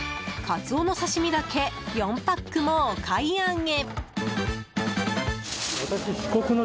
カツオの刺し身だけ４パックもお買い上げ！